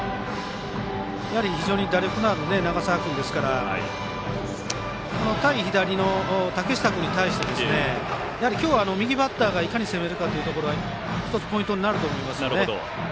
非常に打力のある長澤君ですから対左の竹下君に対して今日は右バッターがいかに攻めるかが１つのポイントになると思います。